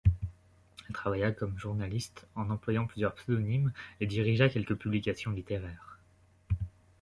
Elle travailla comme journaliste en employant plusieurs pseudonymes et dirigea quelques publications littéraires.